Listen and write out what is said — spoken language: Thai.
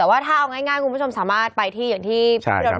แต่ว่าถ้าเอาง่ายคุณผู้ชมสามารถไปที่อย่างที่เรารู้